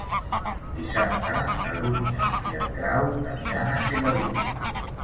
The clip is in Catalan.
Dissabte na Dúnia i en Grau aniran a Sedaví.